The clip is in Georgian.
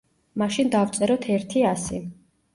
მაშინ დავწეროთ ერთი ასი.